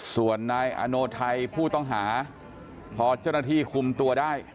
ส่วนนายอโนไทยผู้ต้องหาพอเจ้าหน้าที่คุมตัวได้